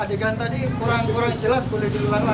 adegan tadi kurang kurang jelas boleh diulang lagi